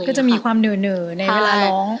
ก็จะมีความเหน่อในเวลาร้อง